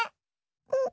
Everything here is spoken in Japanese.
うん。